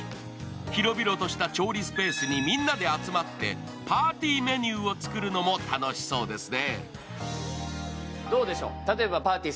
広々とした調理スペースにみんなで集まってパーティーメニューを作るのも楽しそうですね。